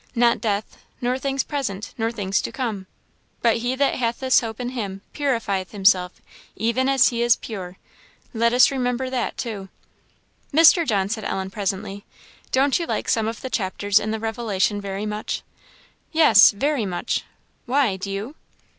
Not death, nor things present, nor things to come. But he that hath this hope in him, purifieth himself, even as he is pure;' let us remember that too." "Mr. John," said Ellen, presently "don't you like some of the chapters in the Revelation very much?" "Yes very much. Why? do you?"